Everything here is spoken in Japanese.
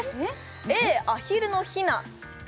ＡアヒルのひなＢ